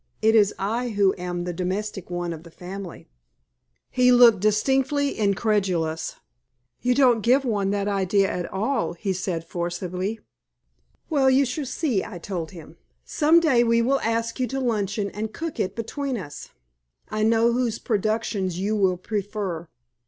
It is I who am the domestic one of the family." He looked distinctly incredulous. "You don't give one that idea at all," he said, forcibly. "Well, you shall see," I told him. "Some day we will ask you to luncheon and cook it between us. I know whose productions you will prefer."